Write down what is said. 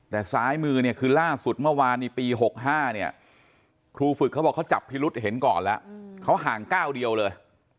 แต่ซ้ายมือเนี่ยคือล่าสุดเมื่อวานนี้ปี๖๕เนี่ยครูฝึกเขาบอกเขาจับพิรุษเห็นก่อนแล้วเขาห่างก้าวเดียวเลย